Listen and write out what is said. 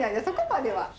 そこまでは。